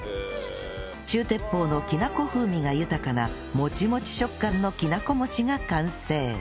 中鉄砲のきなこ風味が豊かなモチモチ食感のきなこ餅が完成